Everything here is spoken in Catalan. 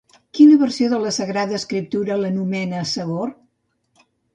Quina versió de la Sagrada Escriptura l'anomena Segor?